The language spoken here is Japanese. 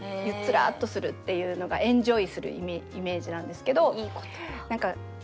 ゆっつらっとするっていうのがエンジョイするイメージなんですけど。